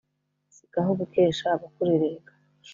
si gaho gukesha abakurerega